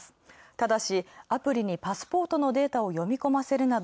ただしアプリにパスポートのデータを読み込ませるなど